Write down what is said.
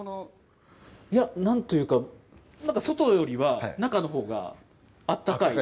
なんというか、外よりは中のほうがあったかい。